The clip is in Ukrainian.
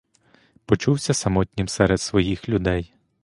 Почувався самотнім серед своїх людей.